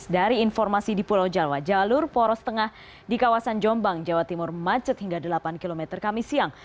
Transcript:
dari informasi di pulau jawa jalur poros tengah di kawasan jombang jawa timur macet hingga delapan km kami siang